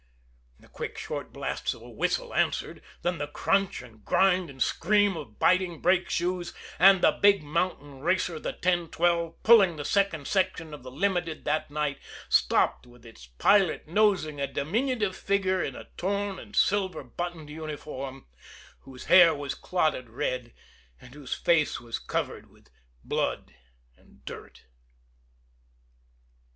The quick, short blasts of a whistle answered, then the crunch and grind and scream of biting brake shoes and the big mountain racer, the 1012, pulling the second section of the Limited that night, stopped with its pilot nosing a diminutive figure in a torn and silver buttoned uniform, whose hair was clotted red, and whose face was covered with blood and dirt.